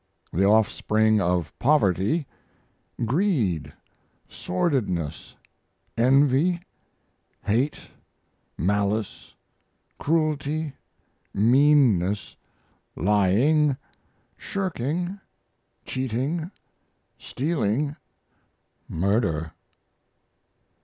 The offspring of poverty: Greed, sordidness, envy, hate, malice, cruelty, meanness, lying, shirking, cheating, stealing, murder.